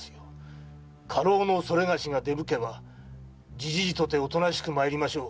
家老の某が出向けばじじいとておとなしく参りましょう。